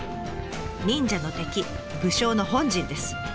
忍者の敵武将の本陣です。